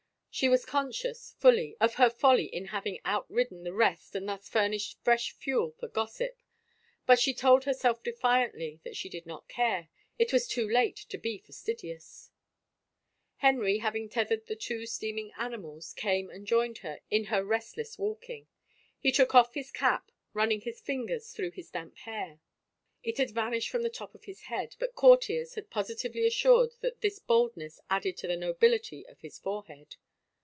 She was conscious — fully — of her folly in having outridden the rest and thus furnished fresh fuel for gossip, but she told herself defiantly that she did not care, it was too late to be fastidious I Henry, having tethered the two steaming animals, came and joined her in her restless walking. He took off his cap, running his fingers through his damp hair. It had vanished from the top of his head, but courtiers had positively assured that this baldness added to the nobility of his forehead.